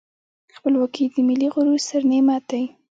خپلواکي د ملي غرور ستر نعمت دی.